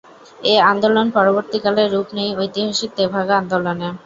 এ আন্দোলন পরবর্তীকালে রূপ নেয় ঐতিহাসিক তেভাগা আন্দোলনে।